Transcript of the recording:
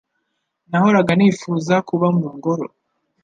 Nahoraga nifuza kuba mu ngoro.